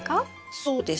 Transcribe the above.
そうです。